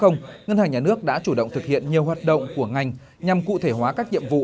ngân hàng nhà nước đã chủ động thực hiện nhiều hoạt động của ngành nhằm cụ thể hóa các nhiệm vụ